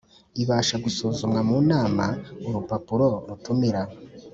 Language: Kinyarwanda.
ibasha gusuzumwa mu nama Urupapuro rutumira